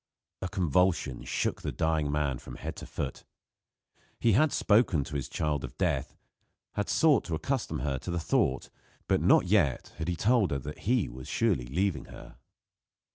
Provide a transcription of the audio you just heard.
A convulsion shook the dying man from head to foot. He had spoken to his child of death, had sought to accustom her to the thought; but not yet had he told her that he was surely leaving her.